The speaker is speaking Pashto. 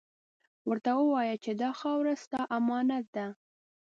ورته ووایه چې دا خاوره ، ستا امانت ده.